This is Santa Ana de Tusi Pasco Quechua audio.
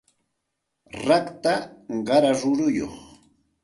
rakta qara ruruyuq